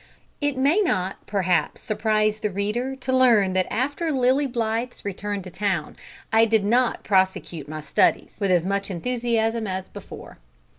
It may not perhaps surprise the reader to learn that after Lilly Blythe's return to town, I did not prosecute my studies with as much enthusiasm as before.